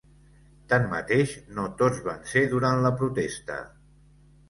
Tanmateix, no tots van ser durant la protesta.